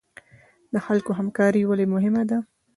د خلکو همکاري ولې مهمه ده؟